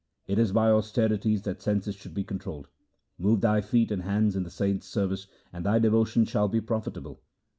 It is by austerities the senses should be controlled. Move thy feet and hands in the saints' service and thy devotion shall be profitable.